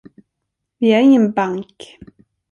Vi är ingen bank.